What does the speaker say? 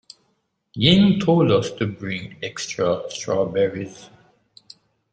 Ying told us to bring extra strawberries.